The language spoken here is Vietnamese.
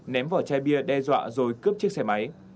ném vỏ chai bia đe dọa rồi cướp chiếc xe máy